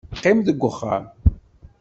Qqim deg uxxam.